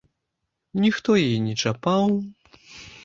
Ніхто яе не чапаў.